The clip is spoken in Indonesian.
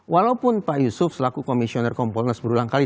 walaupun pak yusuf selaku komisioner kompolnas berulang kali